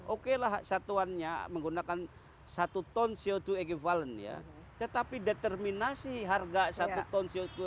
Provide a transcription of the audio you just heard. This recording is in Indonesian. oke lah satuannya menggunakan satu ton co dua equivalent ya tetapi determinasi harga satu ton co dua